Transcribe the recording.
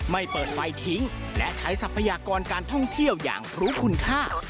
เปิดไฟทิ้งและใช้ทรัพยากรการท่องเที่ยวอย่างรู้คุณค่า